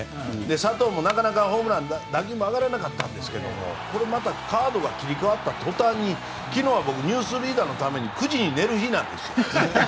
佐藤もなかなか打球も上がらなかったんですけどこれまた、カードが切り替わった途端に昨日は僕「ニュースリーダー」のために９時に寝る日なんですよ。